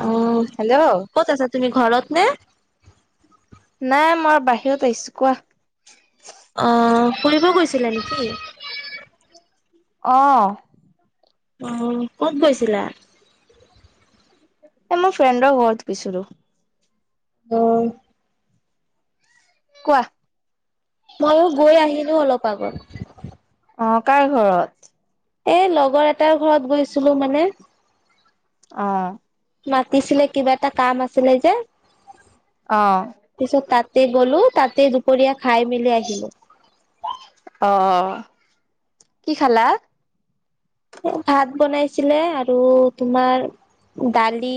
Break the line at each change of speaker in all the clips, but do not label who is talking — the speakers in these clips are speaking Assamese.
অ',
হেল্ল'
ক'ত আছা তুমি ঘৰত? নে
নাই মই বাহিৰত আহিছো কোৱা।
আহ ফুৰিব গৈছিলে নেকি?
অ'।
অহ ক'ত গৈছিলা?
এ, মই ফ্ৰেণ্ডৰ ঘৰত গৈছিলো।
অ'।
কোৱা?
ময়ো গৈ আহিলো অলপ আগত।
অ', কাৰ ঘৰত?
এ, লগৰ এটাৰ ঘৰত গৈছিলো মানে।
আহ।
মাতিছিলে কিবা এটা কাম আছিলে যে।
অ'।
তে গ'লো তাতে দুপৰীয়া খাই মেলি আহিলো।
আহ কি খালা?
ভাত বনাইছিলে আৰু তোমাৰ দালি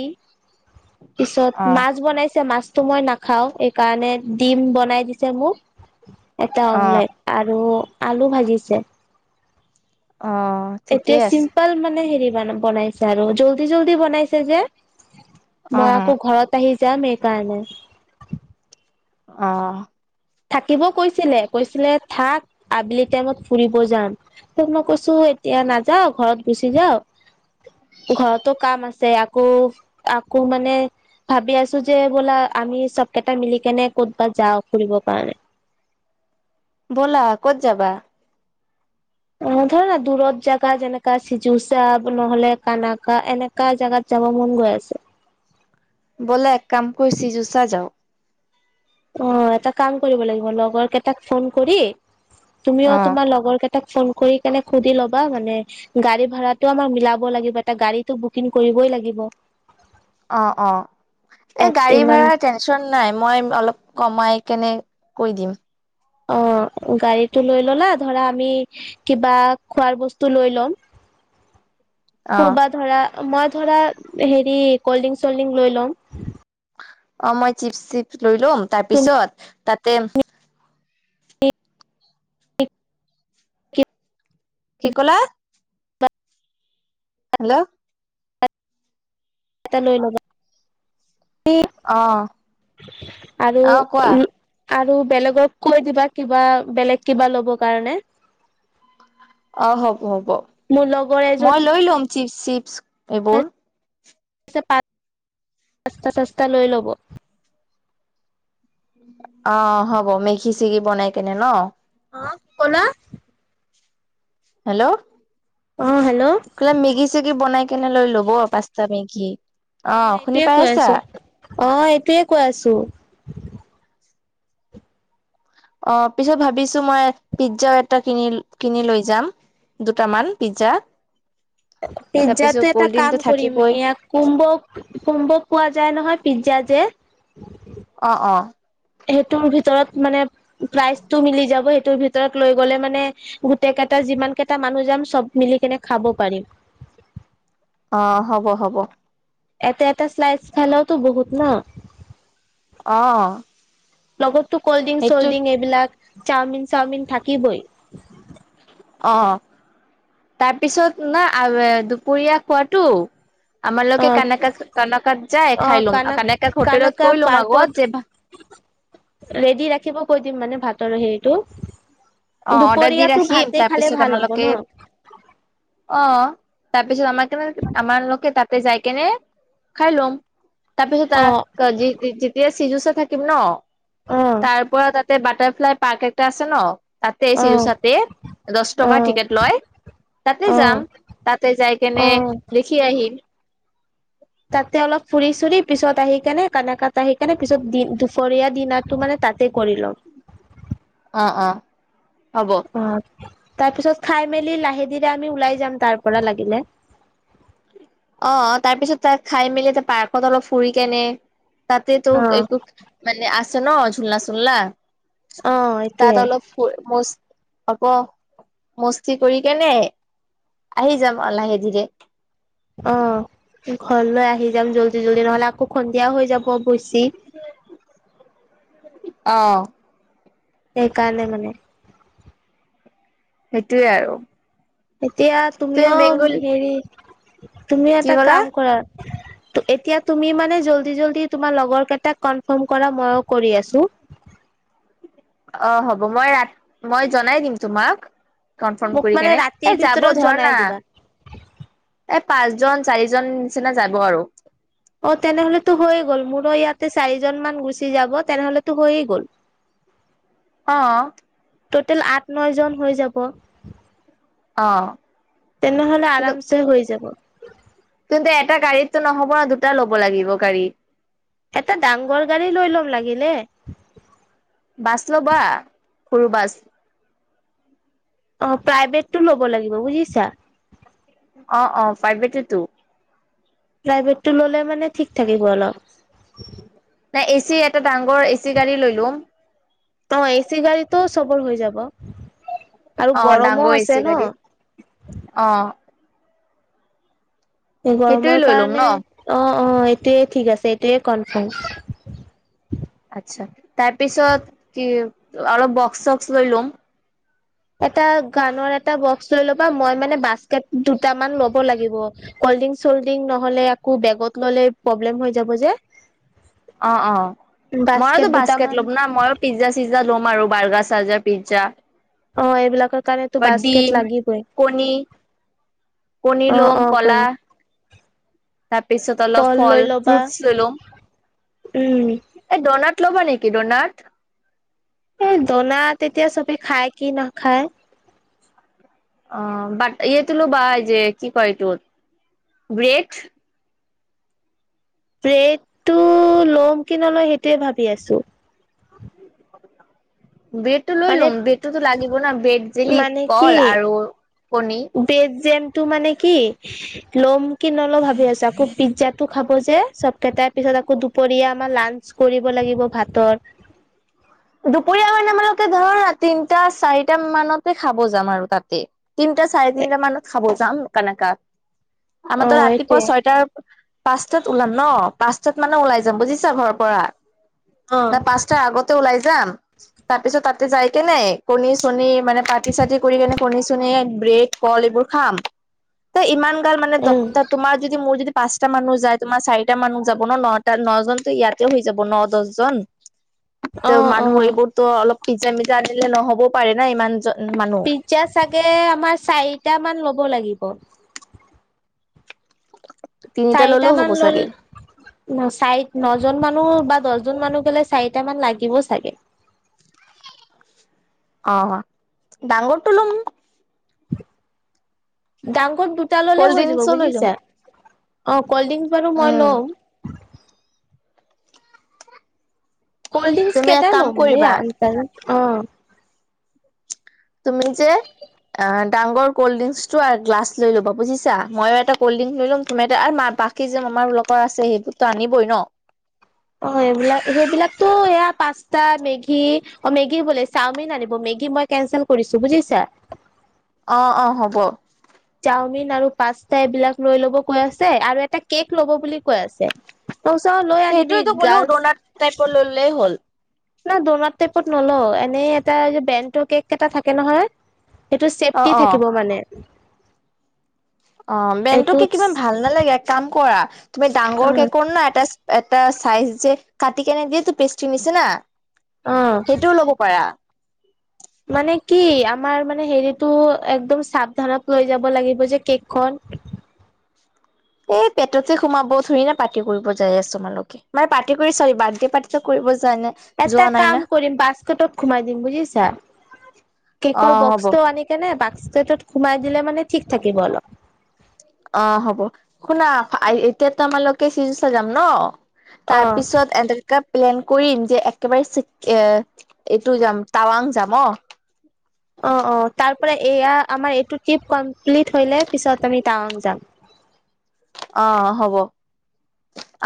পিছত
অ',
মাছ বনাইছে মাছতো মই নাখাও, এ কাৰণে ডিম বনাই দিছে মোক, এটা
অ'।
অমলেট আৰু আলু ভাজিছে।
অ',
এতিয়া
ঠিকেই আছে।
চিম্পল মানে হেৰি মানে বনাইছে আৰু জল্দি জল্দি বনাইছে যে, মই
অ', অ'।
আকৌ ঘৰত আহি যাম। সে কাৰণে।
অহ।
থাকিব কৈছিলে কৈছিলে থাক আবেলি টাইমত ফুৰিব যাম, তোক মই কৈছোঁ এতিয়া নাযাও ঘৰত গুচি যাও। ঘৰতো কাম আছে আকৌ আকৌ মানে ভাবি আছোঁ যে বোলা, আমি চব কেইটা মিলি কেনে ক'তবা যাওঁ ফুৰিব। কাৰণে
ব'লা ক'ত যাবা?
অ ধৰ না দূৰত জাগা যেনেকা চিজুচাব নহ'লে কানাকা এনেকা জাগাত যাব মন গৈ আছে
বলা এক কাম কৰো চিজোছা যাও
অ এটা কাম কৰিব লাগিব লগৰ কেইটাক ফোন কৰি তুমিও
অ',
তোমাৰ লগৰ কেই তাক ফোন কৰি কেনে সুধি ল'বা মানে গাড়ী ভাড়াটো আমাৰ মিলাব লাগিব এটা গাড়ীটো বুকিং কৰিব বই লাগিব
অ'! অ'! এই, গাড়ী
ইমান
ভাড়াৰ টেনচন নাই। মই অলপ কমাই কেনে কৈ দিম
অ গাড়ীটো লৈ ললা ধৰা আমি কিবা খোৱাৰ বস্তু লৈ ল'ম
[unintelligible] অ'।
কোনোবা ধৰা মই ধৰা হেৰি কল্ড ড্ৰিং চলড্ৰিংক লৈ ল'ম
অ মই চিপছ্ টিপছ্ লৈ লম
তুমি
তাৰপিছত তাতে
খে
কি ক'লা? হেল্ল'?
এটা লৈ লবা
অ'।
আৰু
অ কোৱা
উম আৰু বেলেগক কৈ দিবা কিবা বেলেগ কিবা ল'ব কাৰণে
অ হ'ব হ'ব
মোৰ লগৰ এজনী
মই লৈ লম চিপছ চিপছ এইবোৰ
পাঁচতা চাস্তা লৈ ল'ব
অ হ'ব মেগি চেগি বনাই কেনে ন
অহ ক'লা
হেল্ল'
অ হেল্ল' অ
কলে মেগী চেগি বনাই কেনে লৈ ল'ব পাস্তা মেগী অহ শুনি
এইটোয়ে কৈ
পাইছা
আছো অ এইটোয়ে কৈ আছো
অ পিছত ভাবিছো মই পিজ্জা এটা কিনি কিনি লৈ যাম দুটামান পিজ্জা
[unintelligible] পিজ্জাতো
তাৰপিছত
এটা
কল্ড
কাম
ড্ৰিংকটো
কৰিম
থাকিবই
এয়া কুম্ব কুম্ব পোৱা যায় নহয় পিজ্জা যে উ [unintelligible]
অ অ
সেইটোৰ ভিতৰত মানে প্ৰাইজটো মিলি যাব সেইটোৰ ভিতৰত লৈ গলে মানে গোটে কেইটা, যিমান কেইটা, মানুহ যাম চব মিলি কেনে খাব পাৰিম।
অ হ'ব হ'ব
এটা, এটা শ্লাইচ খালেওঁতো বহুত ন'।
অ
লগতো কল্ড ড্ৰিংক
সেইটো
চল্ড্ৰিংক এইবিলাক চাওমিন চাওমিন থাকিবই
অ তাৰপিছত, না দুপৰীয়া খোৱাতো আমাৰ
অ
লগে কানেকা কানাকাত যায়
অ
খাই লম
কানক
কানাকাক হোটেলত
কানকা
কৈ লম
পাৰ্কত
আগত যে ভা [unintelligible]
ৰেডি ৰাখিব কৈ দিম মানে ভাতৰ হেৰিটো
অ অৰ্ডাৰ দি
দুপৰীয়াতো
ৰাখিম
ভাতে খালে
তাৰপিছত
ভাল হ'ব ন
আমালোকে অ তাৰপিছত আমাক কেনে আমাৰ লোকে তাতে যাই কেনে খাই লম তাৰ পিছত
অ
তাৰ যেতিয়া চিজুচা থাকিম ন
অ
তাৰ পৰা তাত বাটাৰফ্লাই পাৰ্ক এটা আছে ন তাতে
অ',
চিজুচাতে দছ টকা
অ',
টিকেট লয় তাতে
অ',
যাম তাতে যাই কেনে
অ',
দেখি আহিম [unintelligible]
তাতে অলপ ফুৰি চুৰি পিছত আহি কেনে কানেকাত আহি কেনে পিছত দুপৰীয়া দিনাৰটো মানে তাতে কৰি লম
অ', অ'। হ'ব
অ'। তাৰ পিছত খাই মেলি লাহে ধিৰে আমি ওলাই যাম তাৰ পৰা লাগিলে।
অ', তাৰ পিছত তাক খাই মেলি এটা পাৰ্কত অলপ ফুৰি কেনে তাতে তোক
অ',
একো মানে আছে ন' ঝুুলনাা চুনলা।
অ', এইটোয়ে
তাত অলপ ফুৰ মছ আকৌ মস্তি কৰি কেনে আহি যাম লাহে ধীৰে।
অ', ঘৰলৈ আহি যাম জল্দি জল্দি নহ'লে আকৌ সন্ধিয়া হৈ যাব। খুচি
অহ।
সেইকাৰণে মানে।
সেইটোৱে আৰু।
এতিয়া
তুমি
তুমিও
বেংগল
হেৰি তুমি
কি
এটা
ক'লা
কাম কৰাৰ এতিয়া তুমি মানে জল্দি জল্দি তোমাৰ লগৰ কেইটাক, কনফাৰ্ম কৰা ময়ো কৰি আছোঁ।
অ', হ'ব মই ৰাত, মই জনাই দিম তোমাক। কনফৰ্ম
মোক
কৰি
মানে
কেনে,
ৰাতিৰ
এ যাব
ভিতৰত
ধৰা
জনাই
না।
দিবা।
পাঁচজন, চাৰিজন নিচিনা যাব আৰু।
অ', তেনেহ'লেতো হৈয়ে গ'ল মোৰো ইয়াতে চাৰিজন মান গুচি যাব তেনেহ'লেতো হৈয়ে গ'ল।
অহ।
ট'টেল আঠ নই জন হৈ যাব।
অ'।
তেনেহ'লে
কিন্তু
আৰামছে হৈ যাব।
কিন্তু এটা গাড়ীতটো নহ'ব, দুটা ল'ব লাগিব গাড়ী।
এটা ডাঙৰ গাড়ী লৈ ল'ম লাগিলে।
বাছ ল'বা সৰু বাছ
অ প্ৰাইভেটটো ল'ব লাগিব বুজিছা।
অ, অ প্ৰাইভেট টো।
প্ৰাইভেটটো ল'লে মানে ঠিক থাকিব অলপ।
নাই এচি এটা ডাঙগৰ এচি গাড়ী লৈ লোৱা।
অ এচি গাড়ীটো চবৰ হৈ যাব। আৰু
অ
গৰমো
ডাঙৰ এ
আছে
চি গাড়ী
ন।
অ
এই
সেইটোয়ে
গৰমৰ
লৈ ল'ম ন
কাৰণে অ। অ এইটোৱে ঠিক আছে এইটোয়ে কনফাৰ্ম।
আচ্ছা তাৰপিছত কি অলপ বক্স চক্স লৈ লোম।
এটা গানৰ এটা বক্স লৈ ল'বা মই মানে বাস্কেট দুট মান ল'ব লাগিব। কল্ডিং চল্ডিং নহ'লে আকৌ বেগত ল'লে প্ৰব্লেম হৈ যাব যে।
অ, অ ময়োতো বাস্কেট ল'ম না ময়ো পিজ্জা চিজ্জা ল'ম। বাৰু বাৰগা চাজা পিজ্জা।
অ এইবিলাকৰ কাৰণেটো
বা
বাস্কেট
ডিম
লাগিবই।
কণী কণী
অ
লোম
অ
কলা।
কল
তাৰপিছত অলপ
কল
ফল
লৈ ল'বা
ফ্ৰুটছ ল। ইলোম
উম
এই ডন ল'ব নে কি দৰনাথ
এ দনা তেতিয়া চবে খায় কি নাখায়।
অ বাাট ইয় তলো বা যে কি কয় এইটোৰ ব্ৰেড
ব্ৰেডটো লম কি নলয় সেইটোৱে ভাবি আছো।
ব্ৰেডটো লৈ
মানে
ল'ম ব্ৰেডটোতো লাগিব ন ব্ৰেড জিলি
মানে কি
কল আৰু কণী।
টো মানে কি ল'ম কি নল ভাবি আছো আকৌ পিজ্জাতটো খাব যে চব কেইটাই পিছত। আকৌ দুপৰীয়া আমাৰ লাঞ্চ কৰিব লাগিব ভাতৰ।
হয় দুপৰীয়া মে আমালোকে ধৰ তিনটা চাৰিটা মানতে খাব যাম আৰু তাতে তিন। টা চাৰে তিনিটা মানত খাব যাম কেনেকা
অ
আমাৰো ৰাতিপুৱা
এইটোৱে
ছয়টাৰ পাঁচটাত ওলাম ন পাঁচটাত মানে ওলাই যাম বুজিছা ঘৰৰ পৰা।
অ
ন পাঁচটা আগতে ওলাই যাম তাৰপিছত তাতে যাই কে নাই কণী ছণী মানে পাতি চাতি কৰি কেনে কণী চনী ব্ৰেড কল এইবোৰ খাম ত ইমান
উম
[unintelligible] তোমাৰ যদি মোৰ যদি পাঁচটা মানুহ যায় তোমাৰ চাৰিটা মানুহ যাব ন নটা নজনতো ইয়াতে হৈ যাব ন দহজন। ত
অ অ
মানুহ এইবোৰতো অলপ পিজ্জা মিজা আনিলে নহ'বও পাৰে না ইমান মানুহ
পিজ্জা চাগে আমাৰ চাৰিটা মান লব লাগিব।
তিনিটা
চাৰিটা
ললেও হ'ব
মান ল'ল
চাগে
ন চাৰি ন দুজন মানুহ বা দহজন মানুহ গ'লে চাৰিটা মান লাগিব চাগে।
অ ডাঙৰটো লম
ডাঙৰ দুটা ল'লে
কল্ড
হৈ যাব
ড্ৰিংকচো লৈ ল'ম
বুজিছা। অ কল্ড ড্ৰিংক বাৰু মই
উম
লম। কল্ড ড্ৰিংকস
তুমি এক
কেইটা
কাম
ল'ম আ
কৰিবা
অ
তুমি যে অ ডাঙৰ কল্ড ড্ৰিংকছটো আৰু গ্লা ল'বা বুজিছা মইো এটা কল্ড ড্ৰিংক লৈ লম তুমি এটা আৰু ম পাখি যে আমাৰ লোকৰ আছে সেইবোৰতো আনিবই ন।
অ এইবিলাক সেইবিলাকতো এয়া পাস্তা মেগী অ মেগী বোলে চাওমিন আনিব মেগ। মেগী মই কেঞ্চেল কৰিছো বুজিছা।
অ, অ হ'ব।
চাওমিন আৰু পাস্তা এইবিলাক লৈ ল'ব গৈ আছে আৰু এটা কেক ল'ব বুলি। কৈ আছে পইচাও লৈ আনিবি
সেইটোৱেতো ক'লো ডনাট টাইপৰ
গাৰ্লছ।
ললেই হ'ল।
ন ডনড টাইপত নলও এনেই এটা বেণ্ড কেক এটা থাকে নহয়। সেইটো ছেফ্টি
অ', অ',
থাকিব মানে।
অ বেনটোকে
এইটোত
কিমান ভাল নালাগে, এক কাম কৰা তুমি
অ
ডাঙৰ কেকোৰ না এটা এটা চাইজ যে কাটি কেনে যিয়েটো পেষ্ট্ৰি নিছে না
অ
সেইটোও ল'ব পাৰা। উ
মানে কি আমাৰ মানে হেৰিটো একদম সাৱধানত লৈ যাব লাগিব যে কেকখন।
অ [unintelligible] পেটতে সোমাব থন থৰি না পাৰ্টি কৰিব যাই আছে তোালোকে মানে পাৰ্টি কৰি চাবি বাৰ্থডে পাৰ্টিটো কৰিব যোৱা নাই
এটা
যোৱা নাই না
কাম কৰিম বাছকটত সোমাই দিম বুজিছা। কেকৰ
অ', হ'ব
বক্সটো আনি কেনে বাস্কেটত সোমাই দিলে মানে ঠিক থাকিব অলপ।
অ হ'ব শুনা এতিয়া তো আমালোকে চিজুচা যাম ন।
অ
তাৰপিছত এড কাপ প্লেন কৰিম যে একেবাৰে চিক এ এইটো যাম টাৱাং যাম অ।
অ অ তাৰ পৰা এয়া আমাৰ এইটো ট্ৰিপ কমপ্লিট হইলে পিছত আমি টাৱং যাম।
অ হ'ব।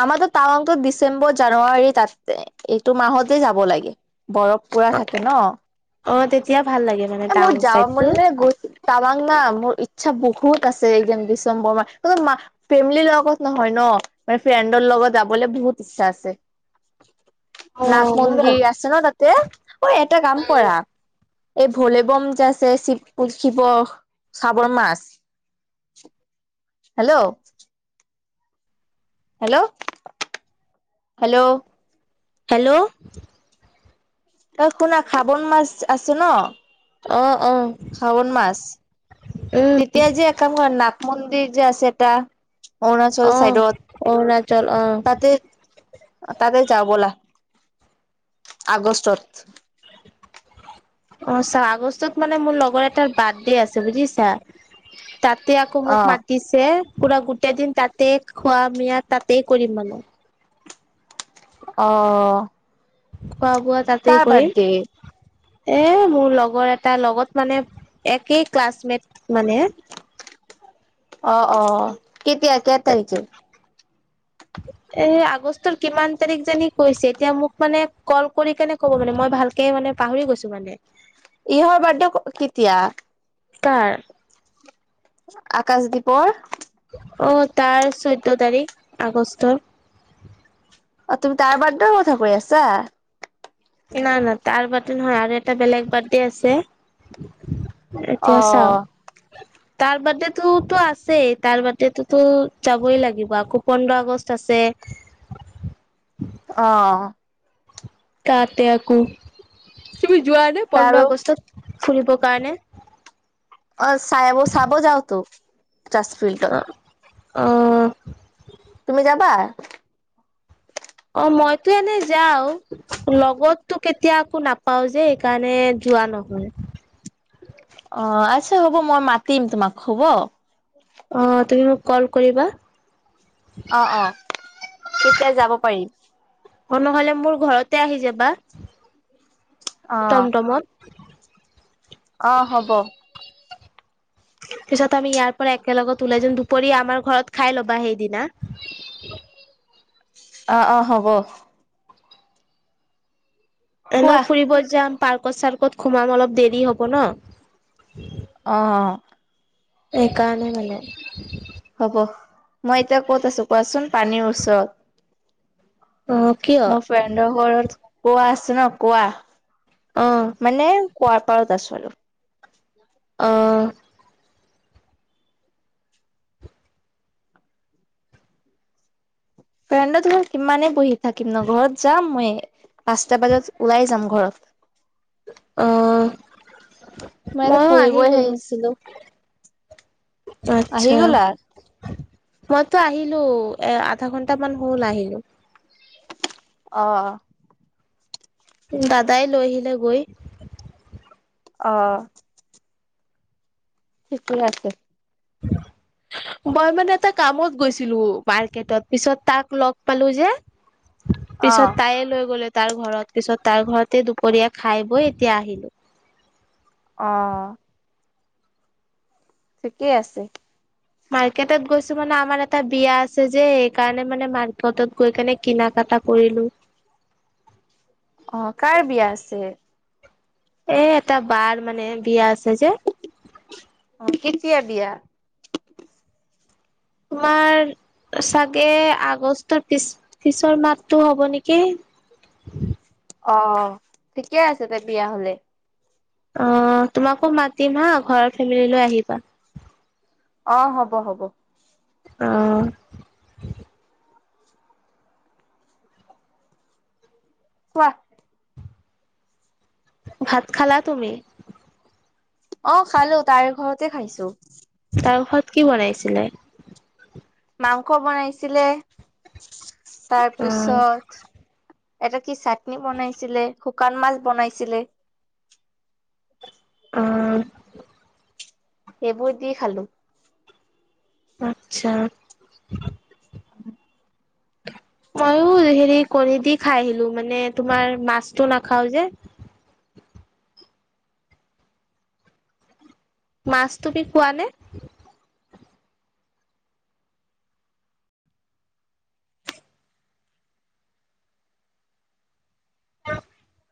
আমাৰটো টাৱাংটো ডিচেম্বৰ জানুৱাৰী তাতে একটো মাহতেই যাব লাগে। বৰফ পুৰা থাকে ন।
অ তেতিয়া ভাল লাগে মানে টাৱাং
মোৰ যাৱা
চাইডটো
মন [unintelligible] টাৱাং মোৰ ইচ্ছা বহুত আছে একদম ডিচেম্বৰ মাহ ফেমিলিৰ লগত নহয় ন। মানে ফ্ৰেণ্ডৰ লগত যাবলৈ বহুত ইচ্ছা আছে। নাগ মন্দিৰ আছে ন তাতে ঐ এটা কাম কৰা। এই ভোলে বম যে আছে শিৱ, শিৱ শ্ৰাবন মাস হেল্ল'। Hello hello.
হেল্ল'।
ঐ শুনা শ্ৰাবন মাস আছো ন
অ অ
স্ৰাৱন মাস
উম
তেতিয়া যে এককাম নাগ মন্দিৰ যে আছে এটা। অৰুণাচল
অ অৰুণাচল অ
চাইডত তাতে। তাতে যাও ব'লা আগষ্টত।
অ চাৰ আগষ্টত মানে মোৰ লগৰ এটাৰ বাৰ্থডে আছে বুজিছা। তাতে আকৌ
অ
মোক মাতিছে। পুৰা গোটেই দিন তাতেই খোৱা মিয়া তাতেই কৰিম মানে।
অ।
খোৱা বোৱা তাতেই
কাৰ
কৰিম।
বাৰ্থডে
এ মোৰ লগৰ এটা লগত মানে একেই ক্লাছমেট মানে
অ অ কেতিয়া কে তাৰিখে।
এ আগষ্টৰ কিমান তাৰিখ জানি কৈছে এতিয়া মোক মানে কল কৰি কেনে ক'ব মানে মই ভালকে মানে পাহৰি গৈছো মানে।
ইহ বাৰ্থডে কেতিয়া?
কাৰ।
আকাশ দ্বীপৰ?
অ তাৰ চৈধ্য তাৰিখ আগষ্টৰ।
অ তুমি তাৰ বাৰ্থডে কথা কৈ আছা?
নাই না তাৰ বাৰ্থডে নহয় আৰু এটা বেলেগ বাৰ্থডে আছে।
অ
এতিয়া আছা? তাৰ বাৰ্থডে টোতো আছেই তাৰ বাৰ্থডে টোতো যাবই লাগিব আকৌ পোন্ধৰ আগষ্ট আছে।
আহ
তাতে আকৌ তুমি যোৱা নে পোন্ধৰ
তাৰো
আগষ্টত ফুৰিব কাৰনে?
অ' চাইাব চাব যাওতো। [unintelligible] ফিল্ডত।
আহ।
তুমি যাবা?
অ' মইতো এনে যাও লগতটো কেতিয়া একো নাপাও যে সেইকাৰণে যোৱা নহয়
[inaudible] অ' আচ্ছা হ'ব মই মাতিম তোমাক হব।
অ' তুমি মোক কল কৰিবা
অ' অ' তেতিয়া যাব পাৰিম।
অ নহলে মোৰ ঘৰতে আহি যাবা
অ
টমটমত। [inaudible]
অ' হ'ব।
পিছত আমি ইয়াৰ পৰা একেলগত ওলাই যাম দুপৰীয়া আমাৰ ঘৰত খাই ল'বা সেইদিনা।
[inaudible] অ' অ' হ'ব।
এনে
কোৱা
ফুৰিব যাম পাৰ্কত চাৰ্কত সোমাম অলপ দেৰি হ'ব ন।
আহ।
এইকাৰানে মানে।
হ'ব মই এতিয়া ক'ত আছো কোৱাচোন পানীৰ
অ
ওচৰত।
কিয়
মোৰ ফ্ৰেণ্ডৰ ঘৰত কোৱা আছে ন কোৱা।
অ
মানে কোৱাৰ পাৰত আছো।
আহ।
ফ্ৰেণ্ডত কিমানে বহি থাকিম ন ঘৰত যাম মই। পাঁচটা বজাত ওলাই যাম ঘৰত।
অ'
মই ইয়াতে
ময়ো আহি
ফুৰিবই
গলো।
আহিছিলো আহি
আচ্ছা
গ'লা
মই তো আহিলো এ আধা ঘন্ট মান হল আহিলো।
অ'।
দাদাই লৈ আহিলে গৈ।
আহ। ঠিকেই আছে।
[inaudible] মই মানে এটা কামত গৈছিলো মাৰ্কেটত পিছত তাক লগ পালো যে। পিছত
অ',
তাইে লৈ গ'লে। তাৰ ঘৰত পিছত তাৰ ঘৰতে দুপৰীয়া খাই বৈ এতিয়া আহিলো।
আহ। ঠিকেই আছে।
মাৰ্কেটত গৈছো মানে আমাৰ এটা বিয়া আছে যে সেই কাৰণে মানে মাৰ্কেটত গৈ কেনে কিনা কাম। টা কৰিলো।
আহ কাৰ বিয়া আছে?
এ এটা বাৰ মানে বিয়া আছে যে।
অ', কেতিয়া বিয়া?
তোমাৰ চাগে আগষ্টৰ পিছ পিছৰ মাহতটো হ'ব নেকি।
অ' ঠিকে আছে দে বিয়া হলে।
অ' তোমাকো মাতিম হা ঘৰৰ ফেমিলি লৈ আহিবা।
অ' হব হ'ব।
আহ।
কোৱা
ভাত খালা তুমি?
অ খালো তাইৰ ঘৰতে খাইছো
তাৰ পৰত কি বনাইছিলে
মাংস বনাইছিলে
অ
তাৰপিছত এটা কি চাটনি বনাইছিলে শুকান মাছ বনাইছিলে
অ
এইবোৰ দি খালোঁ
আচ্ছা
উম
মইো হেৰি কণী দি খাই আহিলো মানে তোমাৰ মাছতটো নাখাও যে মাছ তুমি খোৱা নে [unintelligible]